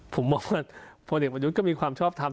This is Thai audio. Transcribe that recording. ผมมองว่าพลเอกประยุทธ์ก็มีความชอบทำ